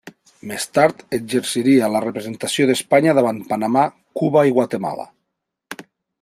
Més tard exerciria la representació d'Espanya davant Panamà, Cuba i Guatemala.